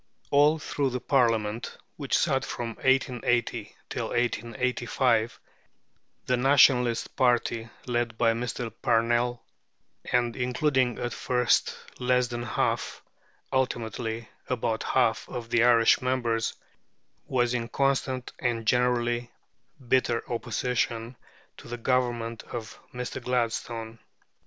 All through the Parliament, which sat from 1880 till 1885, the Nationalist party, led by Mr. Parnell, and including at first less than half, ultimately about half, of the Irish members, was in constant and generally bitter opposition to the Government of Mr. Gladstone.